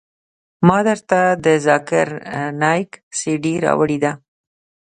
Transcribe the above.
ما درته د ذاکر نايک سي ډي راوړې ده.